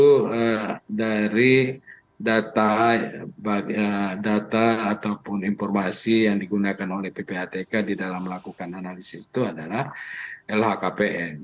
itu dari data ataupun informasi yang digunakan oleh ppatk di dalam melakukan analisis itu adalah lhkpn